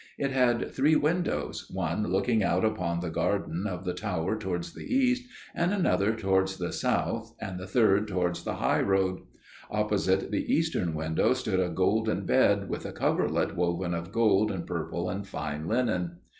It had three windows, one looking out upon the garden of the tower towards the east, and another towards the south, and the third towards the high road. Opposite the eastern window stood a golden bed, with a coverlet woven of gold and purple and fine linen.